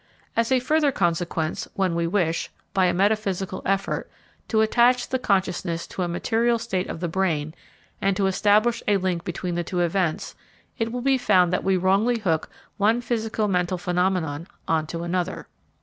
As a further consequence, when we wish, by a metaphysical effort, to attach the consciousness to a material state of the brain and to establish a link between the two events, it will be found that we wrongly hook one physico mental phenomenon on to another.